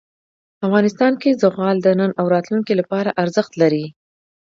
افغانستان کې زغال د نن او راتلونکي لپاره ارزښت لري.